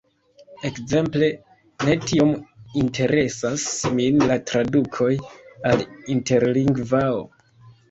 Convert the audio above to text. Ekzemple, ne tiom interesas min la tradukoj al Interlingvao.